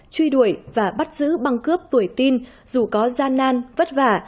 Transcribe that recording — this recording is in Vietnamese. truy đuổi và bắt giữ băng cướp tuổi tin dù có gian nan vất vả